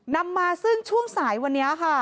นำมาซึ่งช่วงสายวันนี้ค่ะ